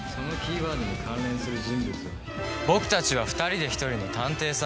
僕たちは２人で１人の探偵さ。